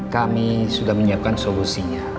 kami sudah menyiapkan solusinya